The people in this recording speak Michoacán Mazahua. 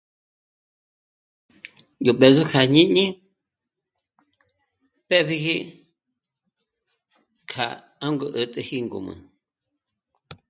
Yó b'ë̌zo k'a jñíni pë́'b'iji kja 'ângo 'ä̀t'äji ngǔm'ü